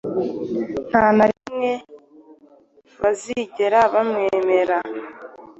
nta na rimwe bazigera bamwemera.